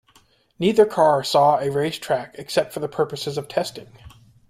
Neither car saw a racetrack except for the purposes of testing.